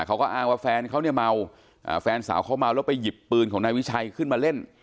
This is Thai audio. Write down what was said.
เขาก็อ้างว่าแฟนเขาเนี่ยเมาแฟนสาวเขาเมาแล้วไปหยิบปืนของนายวิชัยขึ้นมาเล่น